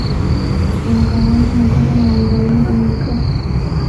Umugabo numugore bambaye ibikapu